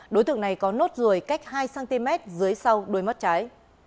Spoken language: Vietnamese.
đối tượng này có nốt ruồi cách hai cm dưới sau đôi mắt trái